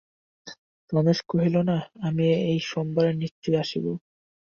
রমেশ কহিল, না, আমি এই সোমবারেই নিশ্চয় আসিব।